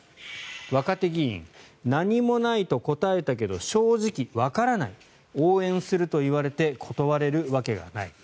若手議員何もないと答えたけれど正直わからない応援すると言われて断れるわけがない。